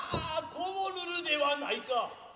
ああこぼるるではないか。